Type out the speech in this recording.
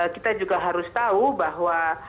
kita juga harus tahu bahwa